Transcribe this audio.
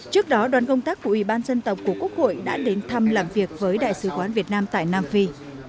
trước đó đoàn công tác của ủy ban dân tộc của quốc hội đã đến thăm làm việc với đại sứ quán việt nam tại nam phi